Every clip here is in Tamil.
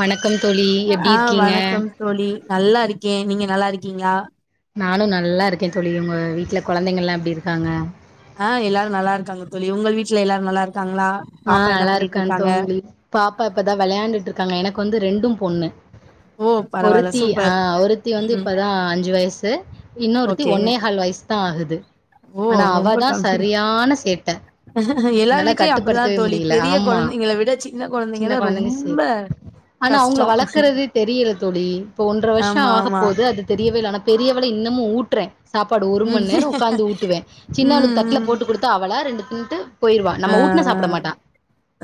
வணக்கம் தோழி எப்டி ஆ இருக்கீங்க வணக்கம் தோழி நல்லா இருக்கே நீங்க நல்லா இருக்கீங்களா நானு நல்லா இருக்கே தோழி உங்க வீட்ல கொழந்தைங்கல்லா எப்டி இருக்காங்க ஆ எல்லாரு நல்லா இருக்காங்க தோழி உங்கள் வீட்ல எல்லாரு நல்லாருக்காங்ளா ஆ நல்லாருக்கான் தோங்லி பாப்பா இப்பதா வெளயாண்டுட்ருக்காங்க எனக்கு வந்து ரெண்டும் பொண்ணு ஓ பரவால்ல ஒருத்தி ஆ சூப்பர் ஒருத்தி வந்து ம் இப்பதா அஞ்சு வயசு இன்னொருத்தி ஓகே ஒன்னேகால் வயசுத்தா ஆகுது ஓ ஆனா ரொம்ப அவதா கம்மி சரியான சேட்ட எல்லார் என்னால வீட்லயு அப்டிதா கட்டுப்படுத் தவே தோழி முடியல பெரிய ஆமா கொழந்தைங்கள விட சின்ன தா கொழந்தைங்க ரொம்ப சேட் ஆனா அவுங்கள கஷ்டோ வளக்குறது தெரியல தோழி இப்போ ஒன்ற வருஷோ ஆமா ஆக ஆமா போது அது தெரியவே இல்ல ஆனா பெரியவள இன்னமு ஊட்றே சாப்பாடு ஒரு ம் மண்நேரோ உக்காந்து ஊட்டுவே சின்னவளுக்கு ம் தட்ல ம் போட்டு குடுத் து அவளா ரெண்டு தின்ட்டு போயிருவா ஆ நம்ம ஊட்னா சாப்ட மாட்டா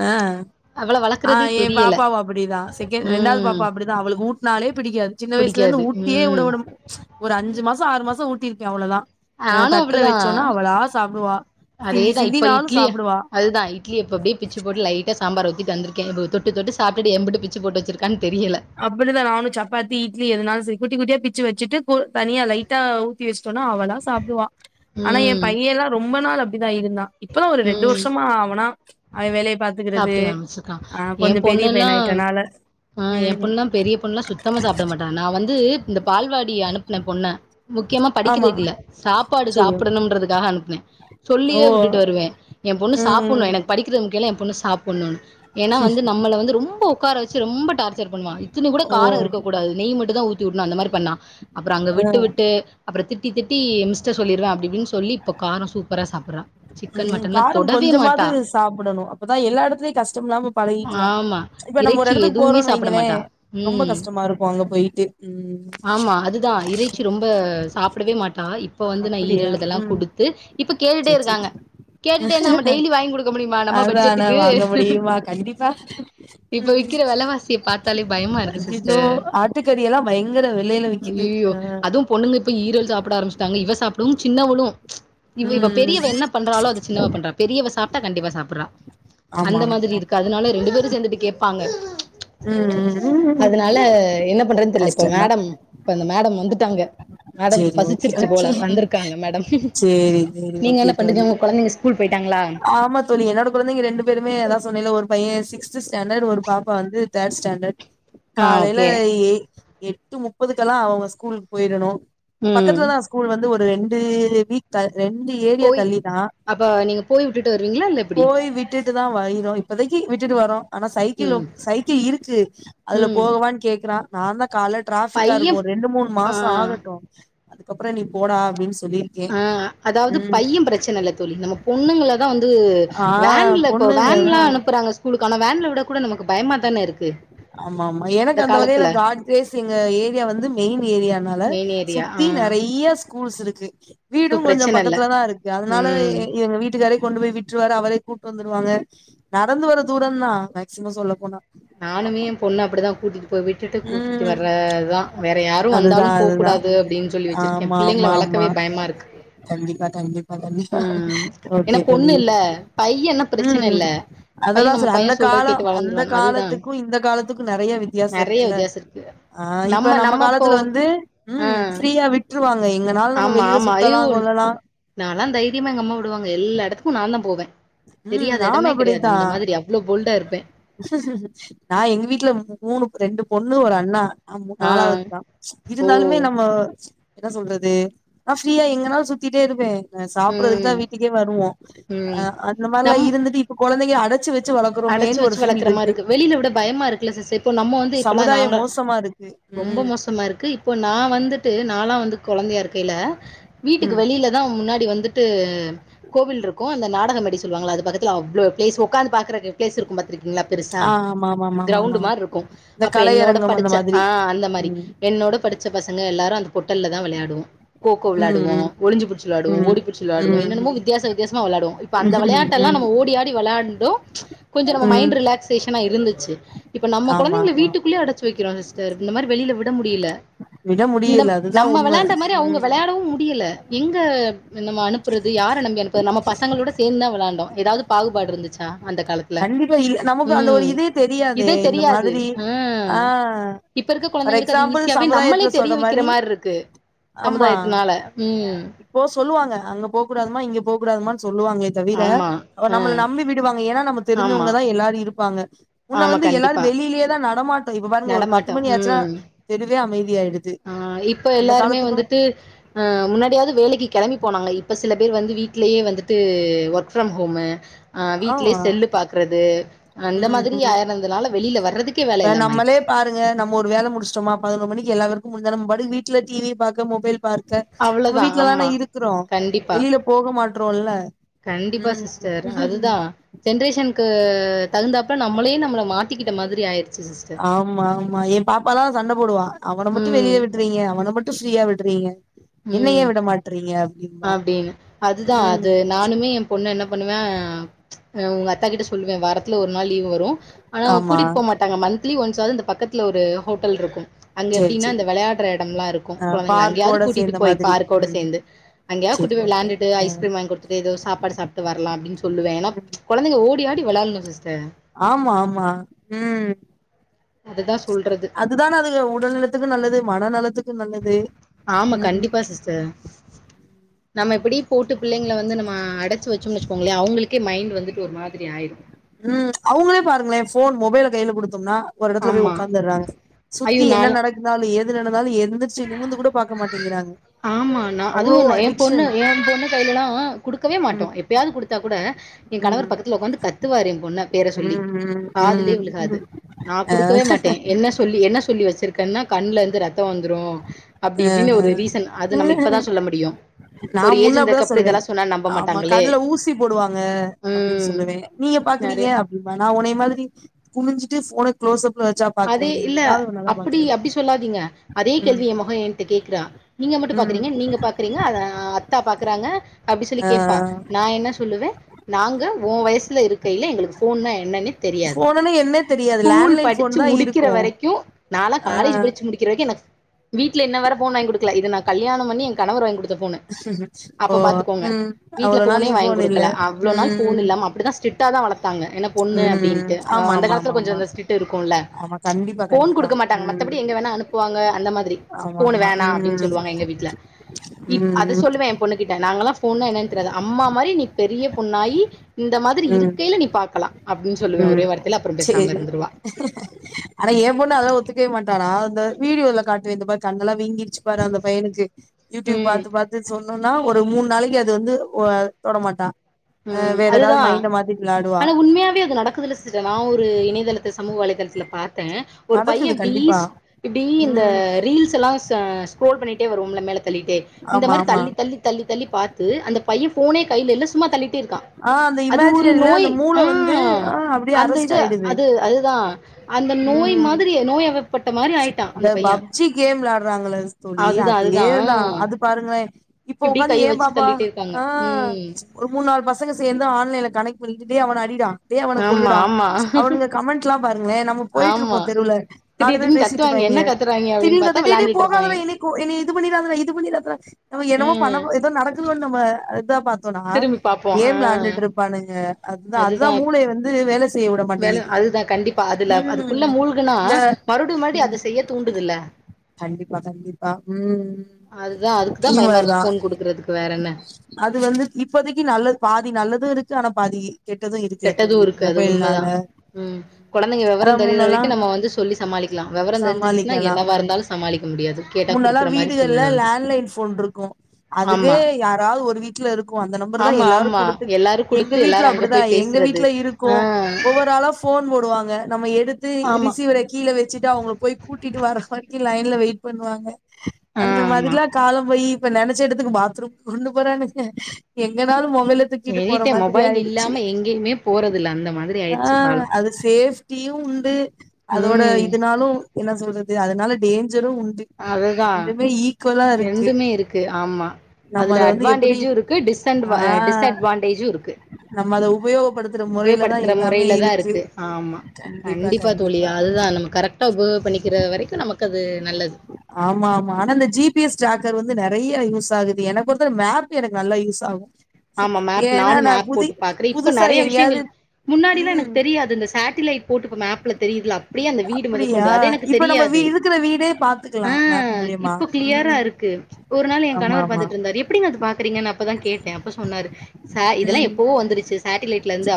ஆ அவள ஆ வளர்க்கறதே ஏ தெரியல பாப்பாவு அப்டிதா செகண் ரெண்டாவது ம் பாப்பா அப்டிதா அவளுக்கு ஊட்னாலே பிடிக்காது சின்ன வயசுலருந்து புடிக்காது ஊட்டியே ம் உடவிடம் ஒரு அஞ்சு மாசோ ஆறு மாசோ ஊட்ருக்கே அவ்ளோதா ஆ நானு தட்ல அப்டிதா வச்சோனா அவளா சாப்டுவா சிந்தி அதேதா இப்ப சிந்தினாலு இட்லிய அதுதா இட்லிய இப்ப அப்டியே பிச்சு போட்டு லைட்டா சாம்பார ஊத்திட்டு வந்துருக்கே இப்போ தொட்டு தொட்டு சாப்ட்டுட்டு எம்புட்டு பிச்சி போட்டு வச்சிருக்கான் தெரியல அப்பிடிதா நானு சப்பாத்தி இட்லி எதுனாலு சரி குட்டி குட்டியா பிச்சி வச்சிட்டு கோழ் தனியா லைட்டா தீ வச்ட்டோனா அவளா சாப்டுவா ஆனா ஏ ம் பையேலா ரொம்ப நாள் அப்டிதா இருந்தா இப்பதா ஒரு ரெண்டு ம் வருஷமா அவனா அவ வேலைய பாத்துக்குறது சாப்ட்டுக்க ஆரம்பிச்சிருக்கா ஆ கொஞ்சோ என் பெரிய பொண்ணெல்லா பையன் ஆயிட்டனால ஆ ஏ பொண்லா பெரிய பொண்லா சுத்தமா சாப்ட மாட்டா நா வந்து இந்த பால்வாடி அனுப்ன பொண்ண முக்யமா ஆமா. படிக்கிறதுக்கில்ல சாப்பாடு சரி. சாப்டணும்ன்றதுக்காக அனுப்புனே ஓ! சொல்லியே விட்டுட்டு வருவே ஏ பொண்ணு ம். சாப்புட்ணு எனக்கு படிக்கிறது முக்கியோல்ல ஏம் பொண்ணு சாப்புட்ணூனு ஏனா வந்து நம்மள வந்து ரொம்போ உக்கார வச்சி ரொம்ப டார்ச்சர் பண்வா இத்துனி கூட ஓ காரோ இருக்க கூடாது நெய் மட்டுதா ஊத்திவுடனு அந்த மாரி பண்ணா அப்றோ அங்க அ விட்டு விட்டு அப்ற திட்டி திட்டி மிஸ்ட்ட சொல்லிருவ அப்டிப்டின் சொல்லி இப்போ காரோ சூப்பரா சாப்புறா ம் காரம் கொஞ்சமாவது சாப்புடணு அப்பதா எல்லா எடத்துலயு கஷ்டம் இல்லாம பழகிக்கலா ஆமா. இப்ப நம்ம ஒரு இறைச்சி எடத்துக் எதுவுமே போறோன் சாப்பிட வைங்களே மாட்டா. ரொம்ப ம். கஷ்டமா இருக்கு அங்க போயிட்டு ம் சி ரொம்ப சாப்டவே மாட்டா இப்போ வந்து நா அப்படியா ஈரல் இதெல்லா ம் குடுத்து இப்ப கேட்டுட்டே சேரி இருக்காங்க சேரி கேட்டுட்டே இருந்தா நம்ம டெய்லி வாங்கி குடுக்க முடியுமா நம்ம அதா ஆனா பட்ஜெட்டுக்கு வாங்க முடியுமா கண்டிப்பா இப்போ ம் விக்கிற வெல வாசிய பாத்தாலே பயமா இருக்கு அய்யய்யோ சிஸ்டர் ஆட்டுக்கறி எல்லா பயங்கர வெலையில விக்குது அய்யயோ அ அதும் பொண்ணுங்க இப்ப ஈரல் சாப்புட ஆரம்பிச்சிட்டாங்க இவ சாப்டவும் சின்னவளும் இவ இவ ம் ம் பெரியவ என்னப் பண்றாலோ அது சின்னவ பண்றா பெரியவ சாப்ட்டா கண்டிப்பா சாப்புட்றா ஆமா அந்த மாதிரி ஆமா இருக்கு அதுனால ரெண்டு பேரு சேந்துட்டு கேப்பாங்க ம் ம் ம் அதுனால என்ன பண்றதுன் தெரிலை இப்ப கஷ்டந்தா மேடம் இப்ப அந்த மேடம் வந்துட்டாங்க மேடம்க்கு சேரி ஓகே பசிச்சிருச்சு போல ஓகே வந்துருக்காங்க மேடம் சேரி சேரி நீங்க ஓகே என்ன பண்றீங்க தோழி உங்க கொழந்தைங்க ஸ்கூல் போயிட்டாங்களா ஆமா தோழி என்னோட கொழந்தைங்க ரெண்டு பேருமே அதா சொன்னைல ஒரு பையெ சிக்ஸ்த்து ஸ்டேண்டர்ட் ஒரு பாப்பா வந்து தேர்ட் ஸ்டாண்டர்ட் ஆ காலையில ஓகே எய் எட்டு முப்பதுக்கெலா அவங்க ஸ்கூலுக் போயிரணு ம் பக்கத்துலதா ஸ்கூல் வந்து ஒரு ரெண்டு வீக் ரெண்டு ஏரியா தள்ளிதா அப்போ நீங்க போய் விட்டுட்டு வருவீங்களா இல்ல எப்புடி விட்டுட்டுதா வைரோ இப்போதைக்கி விட்டுட்டு வரோ ஆனா ம் சைக்கிளும் சைக்கிள் இருக்கு அதுல ம் போகவான் கேக்குறா நாந்தா கால டிராபிக்கா பைய இருக்கும் ரெண்டு மூணு ஆ மாசம் ஆகட்டும் அதுக்கப்புறம் நீ போடா அப்டின்னு சொல்லி ஆ அதாவது பைய பிரச்சன இல்ல தோழி நம்ம பொண்ணுங்க தா வந்து ஆ வேன்ல இப்ப பொண்ணுங்கதா வேன்லா அனுப்புறாங்க ஸ்கூல்ளுக்குல ஆனா வேன்ல விட கூட நமக்கு பயமாக தானே இருக்கு ஆமா ஆமா எனக்கு இந்த அந்த வகையில காலத்துல காட் கிரேஸ் எங்க ஏரியா வந்து மெயின் ஏரியனால மெயின் ஏரியா ஆ சுத்தி நெறைய ஸ்கூல்ஸ் இருக்கு சோ வீடும் கொஞ்ச பிரச்சன இல்ல பக்கத்துல தா இருக்கு அதனால ம் எங்க வீட்டுக்காரே கொண்டு போய் விட்டுவாரு அவரே கூட்டு வந்துருவாங்க நடந்து வர தூரம் தா மேக்சிமம் சொல்ல போனா நானுமே ஆமா எ பொண்ண அப்டிதா கூட்டிட்டு போய் விட்டுட்டு கூட்டிகிட்டு ம் வரது தா வேற யாரும் அதுதா வந்தாலு அதுதா போகக்கூடாது அப்டின்னு சொல்லி வச்சிருக்க எ ஆமா பிள்ளைங்கள ஆமா ஆமா வளக்கவே பயமாக இருக்கு கண்டிப்பா கண்டிப்பா கண்டிப்பா ம் ஏன்னா ஓகே பொண்ணு தோழி இல்ல பையன்னா பிரச்சன ம் இல்ல பைய அததா நம்ம சொல்ல பைய அந்த சொல்றத காலம் கேட்டு அந்த வளந்துருவான் அதுதா காலத்துக்கும் இந்த காலத்துக்கும் நெறய வித்தியாச நெறைய வித்தியாச இருக்கு ஆ இப்ப நம்ம காலத்துல வந்து ஆ ம் ஃப்ரீயா விட்டுருவாங்க எங்கனால நம்ம ஆமா வெளியில ஆமா சுத்தலா ஐயோ கொல்லலா நாலா தைரியமா எங்க அம்மா விடுவாங்க எல்ல இடத்துக்கும் நா தா போவே ம் தெரியாத நானு இடமே கிடையாது அப்படித்தா அந்த மாரி அவ்ளேவு போல்டா இருப்பே நா எங்க வீட்டு்ல மூணு ரெண்டு பொண்ணு ஒரு அண்ணா ஆம ஆ நாலாவது தா இருந்தாலுமே ஓ நம்ம என்ன சொல்றது நா ஃப்ரீயா எங்கனாலு சித்திடே இருப்பே சாப்பிறதுக்கு தா ம் வீட்டுக்கே வருவோம் அ ம் அந்த மாரிலா இருந்துட்டு இப்ப குழந்தைய அடச்சு வச்சு அடச்சு வளக்குறோமேன்னு வச்ச ஒரு ஃபீல் வளர்க்கற மாரி இருக்கு வெளியில விட பயமா இருக்குல சிஸ்டர் இப்ப நம்ம வந்து இப்பல்லா சமுதாயம் நாங்க மோசமா இருக்கு ரொம்ப ம் மோசமா இருக்கு இப்ப நா வந்துட்டு நல்லா வந்து கெழந்தைய இருக்கில வீட்டுக்கு ம் வெளில அதா முன்னாடி வந்துட்டு கோவில் இருக்கும் அந்த நாடகம் மேடை சொல்லுவாங்க அது பக்கத்துல அவ்ளோ பிளேஸ் உக்காந்து பாக்குறக்கு பிளேஸ் இருக்கு பாத்தருக்கீங்களா பெருசா ஆ ஆமா ஆமா ஆமா ஆமா கிரௌண்ட ஆமா மாரி இருக்கும் இந்த அப்ப என்னோட கலையரங்கம் அந்த படிச்ச மாதிரி ஆ அந்த மாரி ம் என்னோட படிச்ச பச்ச பசங்க எல்லாரும் அந்த பொட்டல்ல தா வெளாடுவோ கோ கோ வெளாடுவம் ம் ஒளிஞ்சி புடிச்சி வெளாடுவேம் ம் ஓடி புடிச்சி வெளாடுவேம் ம் என்னன்னமோ ம் வித்தியாச வித்தியாமா வெளாடுவேம் இப்ப அந்த ம் விளையாட்ட எல்லா ம் நம்ம ஓடி ஆடி விளையாண்டு கொஞ்சம் நம்ம ம் மைண்ட் ரிலாக்சேஷனா இருந்துச்சு இப்ப நம்ம ஆமா குழந்தைங்க ஆமா வீட்டுக்குள்ளே அடைச்ச வைக்கிறோ சிஸ்டர் இந்த மாதிரி வெளியில விட முடியல விட இந்த முடியல அதுதா நம்ம உண்ம விளையாண்ட மாதிரி அவங்க ம் விளையாடவும் முடியல எங்க நம்ம அனுப்புறது யார நம்பி அனுப்புறது நம்ம பசங்களோட சேர்ந்துதா விளையாண்டோ ஏதாவது பாகுபாடு இருந்துச்சா அந்த கா லத்துல கண்டிப்பா இல் நமக்கு அந்த ஒரு ‌ம் இதே தெரியாதே இதே இந்த தெரியாது மாதிரி ம் ஆ இப்ப இருக்க ஃபார் குழந்தைங்களுக்கு அது எக்ஸாம்பிள் ஈஸியாவே நம்மளே சமுதாயத்துல தெரிய சொல்ற வைக்கிற மாரி மாதிரி இருக்கு சமுதாயத்தினால ம் போ சொல்லுவாங்க அங்க போ கூடாதுமா இங்க போகடதுமனு சொல்லுவாங்க தவிர ஆமா ஆ நம்மள நம்பி விட் வாங்க ஏன்னா நம்ம ஆமா தெரிஞ்சவங்க தா எல்லாரும் இருப்பாங்க உன்ன ஆமா வந்து கண்டிப்பா எல்லாரும் வெளியிலயே தா நடமாட் இப்ப பாருங்க ஒரு பத்து நடமாட்டோ மணி ஆச்சுன்னா ம் தெருவே அமைதிய ஆயிடு ஆ இப்ப எல்லாருமே வந்துட்டு அ முன்னாடியாது வேலைக்கு கிளம்பி போனாங்க இப்ப சில பேர் வந்து வீடலேயே வந்துட்டு ஒர்க் ஃப்ரம் ஹோம் ஆ வீட்டலயே ஆமா செல்லு பா்க்கறது அந்த ம் மாதிரி ம் ஆயறதுனால வெளியில வர்றதுக்கே வேல இப்ப இல்லாம நம்மளே ஆயிடுச்சு பாருங்க நம்ம ஒரு வேல முடிச்சோமா பதினொரு மணிக்கு எல்லாருக்கு முஞ்சா நம் வீட்ல டிவி பாக்க மொபைல் பார்க்க நம்ம அவ்ளோதா வீட்டுலதானே ஆமா இருக்கிறோம் கண்டிப்பா வெளியில போக மாட்டறோம்ல்ல கண்டிப்பா சிஸ்டர் அதுதான் ஜெனரேசனுக்கு தகுந்தாஅப்ல நம்மளே நம்மள மாத்திக்கிட்ட மாரி ஆயிருக் ஆமா ஆமா என் பாப்பாதா சண்ட போடுவான் அவன மட்டும் வெளியில ம் விட்டுறீங்க அவன மட் ஃப்ரீயா விடுறீங்க ம் அப்டின்னு அதுதான் ம் அது நானுமே பொண்ணு என்ன பண்ணுவேன் உங்க அத்தா கிட்ட சொல்லுவேன் வரத்துல ஒரு நாள் லீவ் வரும் ஆனா ஆமா கூட்டிட்டு போ மாட்டாங்க மந்த்லி ஒன்ஸ் ஆது இந்த பக்கத்துல ஒரு ஹோட்டல் இருக்கும் அங்கே சேரி எப்டின்னா சேரி இந்த விளையாடுற எடம்லாம் இருக்கும் ஆ கொலந்தைங்கல அங்கேயாது பார்க்கோட குட்டிட்டு சேந்த போய் மாதிரி பார்கோட ம் சேர்ந்து அங்கய கூட்டி சேரி போ ஓகே விழாண்டுட்டு ம் ஐஸ்கிரீம் வா ங்கி கொடுத்துட்டு ஏதோ சாப்பாடு சாப்பிட்டு வரலாம் அப்டின் சொல்லுவேன் ஏனா கெழந்தைங்க ஓடி ஆடி விழாடணும் சிஸ்டர் ஆமா ஆமா ம் அதுதா சொல்றது அதுதானே அது உடல் நலத்துக்கு நல்லது மன நலத்துக்கும் நல்லது உம் சா நம்ம எப்படி போட்டு பிள்ளைங்கள வந்து நம்ம அடைச்சு வச்சோம்னு வச்சுக்கோங்லே அவங்களுக்கே மைண்டு வந்துட்டு ஒரு மாதிரி ஆயிடும் ம் அவங்களே பாருங்களேன் ஃபோன் மொபைல கையில கொடுத்தோம்னா ஒரு எடத்துல போய் ஆமா உகாந்துறாங்க ஐயோ சுத்தி நால என்ன நடக் ந்தாலும் எது நடந்தாலும் எந்திரிச்சு நிமுந்து கூட பாக்க மாட்டேங்கிறாங்க ஆமா நா அவ்ளோ அதுவும் எ பொண்ணு அடிக்ஷன் என் பொண்ணு கையிலலா குடுக்கவே ம் மாட்டோம் எப்பாயாது குடுத்தா கூட என் கணவர் ம் பக்கத்துல உக்காந்து கத்துவாறு ஏ பொண்ண பேர சொல்லி ம் காதுலயே ம் விழுகாது ம் நான் குடுக்கவே மாட்ட என்ன சொல்லி என்ன சொல்லி வச்சிருக்கன்னா கண்ல இருந்து ரத்தம் வந்துரும் அப்டிஇப்டின்னு ஒரு ரீசன் அது நம்ம இப்பதா சொல்ல முடியும் நான் முன்ன அப்படிதான் சொல்லுவேன் ஆமா மாட்டாங்களே கண்ல ஊசி போடுவாங்க அப்டின்னு ம் சொல்லுவேன் நீங்க பாக்குறீங்க நெறைய அப்டின்பா நான் உனைய மாதிரி குமுஞ்சிட்டு ஃபோன குளஸ் அப்ல வச்சாப் அதெ இல்ல அப்டி அப்டி சொல்லாதீங்க அதே ம் கேள்வி என் மக என்ட்ட கேக்றா நீங்க மட்டு ம் பாக்குறீங்க நீங்க பாக்குறீங்க ஆ அத்தா பாக்குறாங்க அப்டி சொல்லி ஆ கேப்பா நா என்ன சொல்லுவ நாங்க ஊ வயசுல இருக்கயில எங்களுக் ஃபோன்னா என்னன்னே தெரியாது ஃபோனுன்னு என்னே தெரியாது ஸ்கூல் லேண்ட்லைன் படி சு ஃபோன் தா முடிக்கிற இருக்கு வரைக்கும் நாளா காலேஜ் படிச்சு முடிக்கிற வரைக்கும் எனக்கு வீட்டல இன்னவர ஃபோன் வாங்கி குடுக்கல இத நா கல்யணம் பண்னி என் கனவர் வாங்கி கொடுத் த போனு ஓ அப்ப பாத்துக்கோங்க ம் வீட்டல அவ்ளோ நாள் ஃபோனே நீ வாங்கி ஃபோன் இல்ல குடுக்கல அவ்லோ நாள் ஃபோன் ம் இல்லாம அப்டிதான் ஸ்டிட் டா தான் வளத்தாங்க என்ன பொண்ணு ம் அப்டின்ட்டு ஆ ஆமா அந்த ஆமா காலத்துல ஆமா கொஞ்சோ ஆமா அந்த ஸ்டிட் இருக்கும்ல ஆமா கண்டிப்பா ஃபோன் கண்டிப்பா குடுக்க மாட்டாங்க ம் மத்தபடி எங்க வேணா அனுப்புவாங்க அந்த மாதிரி ஆமா ஃபோன் ஆமா வேணாம் அப்டின்னு ம் சொல்லுவாங்க எங்க வீட்ல இப் அத ம் சொல்லுவ என் பொண்ணு கிட்ட நாங்கல்லாம் ஃபோன்னா என்னன்னு தெரியாது அம்மா மாரி நீ பெரிய பொண்ணாயி இந்த மாதிரி ம் ம் இருக்கையில நீ பாக்கலாம் அப்டின்னு சொல்லுவேன் ம் ஒரே வார்த்தையில அப்பறம் பேசாமல் சேரி இருந்துருவா ஆனா ஏன் பொண்ணு அதெல்லாம் ஒத்துக்கவே மாட்டாடா அந்த வீடியோல காட்டுவேன் இந்த மாறி கண்ணெல்லாம் வீங்கிடுச்சு பாரு அந்த பையனுக்கு யூடியூப் ம் பாத்து பாத் து சொன்னோன்னா ஒரு மூணு நாளைக்கு அது வந்து ஆ தொட மாட்டா அ உம் வேற ஏதாவது அதுதான் மைண்ட மாத்திட்டு விளாடுவா ஆனா உண்மையாவே அது நடக்குதுல சிஸ் நா ஒரு இணையதளத்த சமூக வலைதளத்துல பாத்த ஒரு பையன் நடக்குது இப்டி கண்டிப்பா இப்டி இந்த ம் ரீல்ஸ்லா சா ஸ்க்ரோல் பண்ணிட்டே வருவோம்ல மேல தள்ளிட்டே இந்த ஆமா மாரி ஆமா தள்ளி தள்ளி தள்ளி தள்ளி பாத்து அந்த பையன் ஃபோனே கையில இல்ல சும்மா தள்ளிட்டே இருக்கா ஆ அந்த அது ஒரு இமேஜினரில நோய் அந்த மூள ஆ வந்து ஆ அப்டியே அரஸ்ட் அந்தஇது ஆயிடுது அது அதுதா அந்த நோய் ம் மாதிரி நோய்ப் அவ பட்ட மாரி ஆயிட்டா இந்த அந்த பைய்யே பப்ஜி கேம் விளாடுறாங்கள தோழி அதே தா அது பாருங்களே இப்போ இப்டி உக்காந்து கைய ஏ வச்சு பாபா தள்ளிட்டே இருக்காங்க ஆ ம் ஒரு மூணு நாள் பசங்க சேர்ந்து ஆன்லைன்ல கணக்ட் பண்ணிக்கிட்டு அவன அடிடா டே அவன ஆமா கொல்லுடா ஆமா ச் அவனுங் கமெண்ட்ல்லா பாருங்களே நம்மோ போயிட்டு இருப்போ ஆமா தெருல நாலு திடீர் பேர் திடீர்னு கத்துவாங்க என்ன பேசிட்ருப்பாங்க கத்துறாங்க அப்டின்னு திடீர்னு பாத்தா டே டே வெளாண்டுட்டு போகாத டா இருப்பாய்ங்க என்னே கோ என்ன இது பண்ணிறாதடா இது பண்ணிறாதடா நம்ம என்னவோ பண்ணோ ம் ஏதோ நடக்குது நம்ம இது தா பாத் த்தோனா திரும்பி பாப்போ ஏ ஆ விளாண்டுட்ருப் பானுங்க அதுதா அதுதா மூளைய வந்து வேல செய்ய விட மாட்டேங்கி துதா கண்டிப் பா அதுல அதுக்குள்ள மூழ்குனா இந்த மறுடி மறுடி அது செய்ய தூண்டுதுல்ல கண்டிப்பா கண்டிப்பா உ அதுதா அதுக்குதா பயமா இனிமேல்தா இருக்கு ஃபோன் குடுக்குறதுக்கு வேற என்ன அது வந்து இப்போதைக்கு நல்லத் பாதி நல்லது இருக்கு ஆனா பாதி கெட்டது இருக்குல தோழி மொபைல்னால உ கொழந்தைங்க வெவரோ அதா தெரியிற முன்னெல்லா வரைக்கு நம்ம வந்து சொல்லி சமாளிக்கலா வெவரோ தெரிஞ்சிச்சுன்னா என்னவா இருந்தாலு சமாளிக்க முடியாது கேட்டா முன்னல்லா குடுக்குற மாரி வீடுகள்ல சூழ்நிலை வந்துரு லேண்ட்லைன் ஃபோன்ருக்கு அதுவே ஆமா யாராவது ஒரு வீட்ல இருக்கு அந்த நம்பர் தா ஆமா எல்லாரு ஆமா எல்லாரு எங்க குடுத்து வீட்ல எல்லாரு அங்க அப்டிதா போய் எங்க பேசுறது வீட்ல இருக்கு ஆ ஒவ்வொரு ஆளாஃப் ஃபோன் போடுவாங்க நம்ம எடுத்து ஆமா ரிசீவர கீழ வச்சுட்டு அவங்கள போய் கூட்டிட்டு வரற வரைக்கு லைன்ல வெயிட் பண்ணுவாங்க ஆ அந்த ஆமா மாதிரிலா காலோ போய் இப்ப நெனைச்ச எடத்துக்கு பாத்ரூம் கொண்டு போறானுங்க எங்கனாலு மொபைலு தூக்கிட்டு எனி போற டைம் மாதிரி மொபைல் ஆயிடுச்சு இல்லாம எங்கேயுமே போறதில்ல அந்த மாதிரி ஆ ஆயிடுச்சு காலோ அது ஸேஃப் டியு உண்டு அதோட ம் இதனாலு என்ன சொல்றது அதனால டேஞ்ஜரு உண்டு அதுதா ரெண்டுமே ஈக்குவலா இருக்கு ரெண்டுமே இருக்கு ஆமா நம்ம அதுல அத வந்து எப்டி அட்வான்டேஜு இருக்கு டிஸ்அன்ட் ஆ டிஸ்அட்வான்டேஜு இருக்கு நம்ம அத உபயோகப்படுத் உபயோகப்படுத்துற முறையில தா இருக்கு ஆமா கண்டிப்பா தோழி அதுதா நம்ம கரெக் கரெக்டா‌ கோ பண்ணிக்கிற வரைக்கு நமக்கு அது நல்லது ஆமா ஆமா ஆனா இந்த ஜி பி எஸ் ட்ராக்கர் வந்து நெறையா யூஸ் ஆகுது எனக்கு வந்து மேப் எனக்கு நல்லா யூஸ் ஆகு ஆமா மேப் ஏன்னா நானு நா மேப் புதி போட்டு பாக்குறே இப்ப புதுசா நெறைய எங்கேயாவது விஷயங்கள் முன்னாடிலா எனக்கு ம் தெரியாது இந்த ஸேட்டிலைட் போட்டுப்போ மேப்ல தெரியுதுல அப்படிய அந்த வீடு அப்டியா முதக்கொண்டு அத இப்ப நம்ம வீ தெரியாது இருக்கிற வீடே ஆ பாத்துக்கலாம் மேப் மூலியமா இப்ப க்ளியரா ம் இருக்கு ஒரு நாள் எ ஆமா கணவர் ஆமா பாத்துட்ருந்தாரு எப்டிங்க அத பாக்குறீங்கன்னு அப்பதா கேட்டே அப்ப சொன்னாரு சா இதெல்லா ம் எப்போவோ வந்துருச்சு சேட்டிலலைட்லருந்து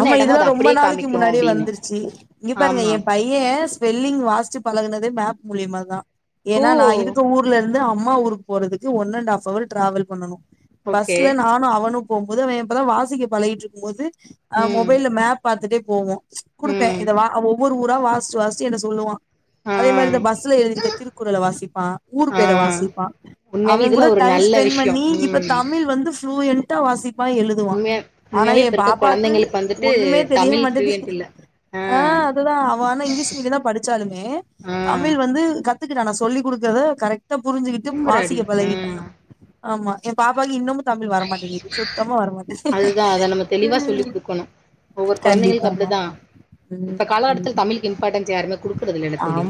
ஆமா இதெல்லா ரொம்ப நாளைக்கு முன்னாடியே அப்டின்னு வந்துருச்சு இங்க பாருங்க ஆமா எ பைய் யே ஸ்பெல்லிங் வாஸ்சு பழகுனதே மேப் மூலியமா தா ஓ ஏன்னா நா இருக்க ஊர்ல இருந்து அம்மா ஊருக்கு போறதுக்கு one and half hour travel பண்ணனு ஓகே பஸ்ல நானு அவனு போம்போது அவே இப்ப தா வாசிக்க பழகிட்ருக்கும் போது ஆ ம் மொபைல்ல மேப் பாத்துட்டே போவோ ச் குடுப்பே ம் இத வா ஒவ்வொரு ஊரா வாஸ்சி வாஸ்சி என்ட சொல்லுவா ஆ அதே மாரி இந்தா பஸ்ல எழுதிர்க திருக்குறல வாஸிப்பா ஊர் ஆ பேர வாஸிப்பா உண்மையாவே அவே கூட இதுல ஒரு டைம் நல்ல ஸ்பெண்ட் விஷயம் பண்ணி இப்ப ம் தமிழ் வந்து ஃபுளூயண்டா வாஸிப் ப்பா எழுதுவா உண்மையா ஆனா உண்மையாவே எ இப்ப இருக்க பாப்பாக்கு கொழந்தைங்களுக்கு வந்துட்டு ஒண்ணுமே தெரிய தமிழ் மாட்டேது ஃப்ளூயன்ட் இல்ல ஆ அதுதா அவ ஆனா இங்கிலீஷ் மீடியந்தா படிச்சாலுமே ஆ தமிழ் வந்து கத்துக்கிட்டா நா சொல்லி் குடுக்கறத கரெக் ட புரிஞ்சுகிட்டு தூங்குறாடி வாசிக்க பழகிட்டா ம் ஆமா எ பாப்பாக்கு இன்னமு தமிழ் வரமாட்டேங்குது சுத்தமா வர மாட் அதுதா அத நம்ம தெளிவா சொல்லி ம் குடுக்கணு ஒவ்வொரு கொழந்தைகளுக்கப்டி தா இப்ப ம் காலகட்டத்தில் தமிழுக்கு இம்பார்ட்டன்ஸ் யாருமே குடுக்குறது இல்லேல தோழி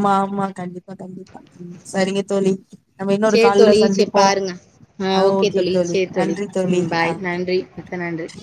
ப்பா கண்டிப்பா ம் சரிங்க தோழி நம்ம இன்னொரு சேரி கால்ல தோழி சேரி சந்திப்போ பாருங்க ஆ ஓகே ஓக்கே தோழி சேரி நன்றி தோழி ம் பாய் நன்றி மிக்க நன்றி ஆ